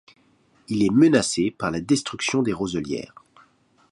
Il est menacé par la destruction des roselières.